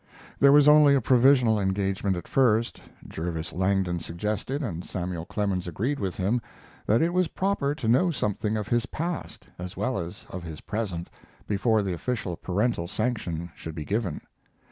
There was only a provisional engagement at first. Jervis Langdon suggested, and Samuel Clemens agreed with him, that it was proper to know something of his past, as well as of his present, before the official parental sanction should be given.